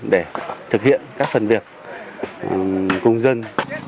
để thực hiện các phần việc cùng dân